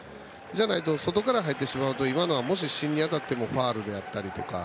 外から入ってしまうと今のはもし芯に当たってもファウルだったり。